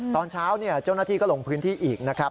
ตอนเช้าเจ้าหน้าที่ก็ลงพื้นที่อีกนะครับ